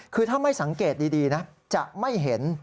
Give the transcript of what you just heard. คือถ้าไม่สังเกตดีนะจะไม่เห็น